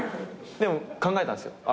でも考えたんですよ。